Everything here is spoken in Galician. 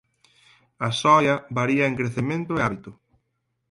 A soia varía en crecemento e hábito.